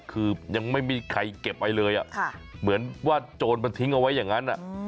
คือยังไม่มีใครเก็บไว้เลยเหมือนว่าโจรมันทิ้งเอาไว้อย่างนั้น